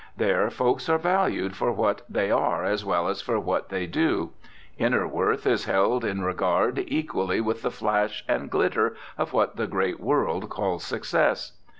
There folks are valued for what they are as well as for what they do. Inner worth is held in regard equally with the flash and glitter of what the great world calls success.